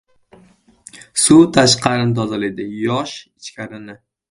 • Suv tashqarini tozalaydi, yosh ichkarini.